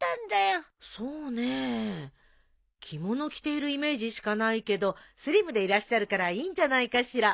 そうねえ着物着ているイメージしかないけどスリムでいらっしゃるからいいんじゃないかしら。